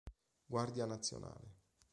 Guardia nazionale